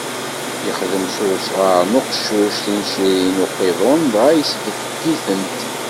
Ixdem s usɣar n uqeccuc tincirin i uqiḍun, dɣa yesbedded-itent.